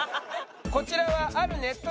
こちらはあるネット